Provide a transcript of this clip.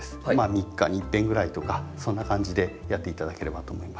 ３日にいっぺんぐらいとかそんな感じでやって頂ければと思います。